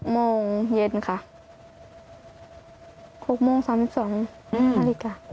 โมงเย็นค่ะ๖โมง๓๒นาฬิกา